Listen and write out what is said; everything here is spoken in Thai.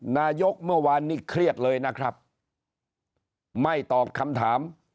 เมื่อวานนี้เครียดเลยนะครับไม่ตอบคำถาม